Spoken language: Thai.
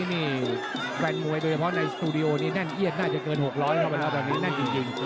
นี่แฟนมวยโดยเฉพาะในสตูดิโอนี่แน่นเอียดน่าจะเกิน๖๐๐แล้วเวลาแบบนี้แน่นจริง